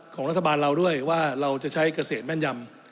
ของรัฐบาลเราด้วยว่าเราจะใช้เกษตรแม่นยำ